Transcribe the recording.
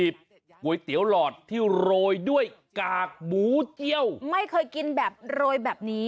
โปรดติดตามตอนต่อไป